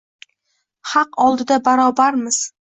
Haq oldida barobarmiz